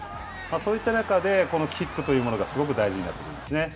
そういった中で、このキックというものがすごく大事になってくるんですね。